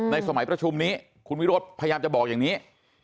สมัยประชุมนี้คุณวิโรธพยายามจะบอกอย่างนี้